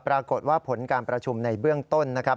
ปรากฏว่าผลการประชุมในเบื้องต้นนะครับ